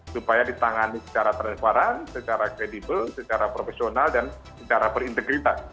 supaya ditangani secara transparan secara kredibel secara profesional dan secara berintegritas